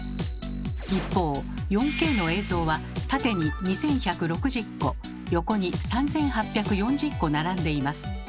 一方４Ｋの映像は縦に２，１６０個横に３，８４０個並んでいます。